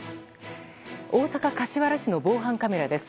大阪・柏原市の防犯カメラです。